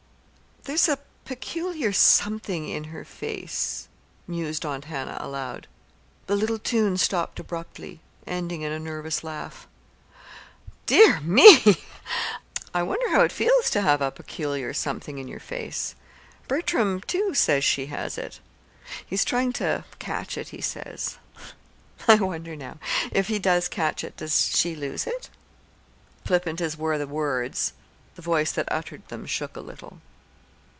"There's a peculiar something in her face," mused Aunt Hannah, aloud. The little tune stopped abruptly, ending in a nervous laugh. "Dear me! I wonder how it feels to have a peculiar something in your face. Bertram, too, says she has it. He's trying to 'catch it,' he says. I wonder now if he does catch it, does she lose it?" Flippant as were the words, the voice that uttered them shook a little.